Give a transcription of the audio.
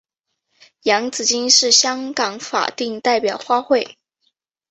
洋紫荆是香港法定代表花卉。